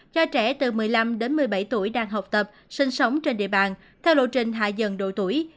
cho trẻ từ một mươi năm đến một mươi bảy tuổi đang học tập sinh sống trên địa bàn theo lộ trình hạ dần độ tuổi